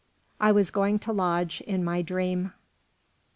I was going to lodge in my dream.